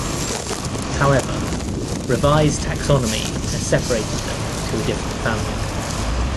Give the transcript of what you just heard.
However, revised taxonomy has separated them to a different family.